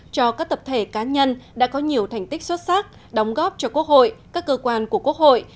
cho các tập thể cá nhân đã có nhiều thành tích xuất sắc đóng góp cho quốc hội các cơ quan của quốc hội